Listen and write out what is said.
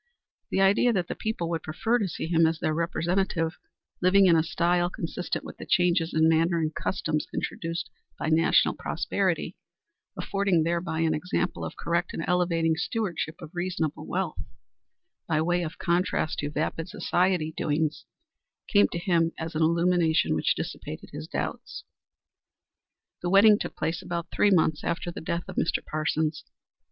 The idea that the people would prefer to see him as their representative living in a style consistent with the changes in manners and customs introduced by national prosperity, affording thereby an example of correct and elevating stewardship of reasonable wealth, by way of contrast to vapid society doings, came to him as an illumination which dissipated his doubts. The wedding took place about three months after the death of Mr. Parsons.